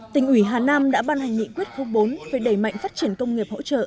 tỉnh ủy hà nam đã ban hành nghị quyết khu bốn về đẩy mạnh phát triển công nghiệp hỗ trợ